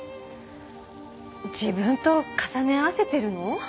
自分と重ね合わせてるの？